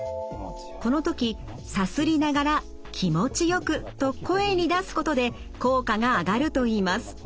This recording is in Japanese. この時さすりながら「気持ちよく」と声に出すことで効果が上がるといいます。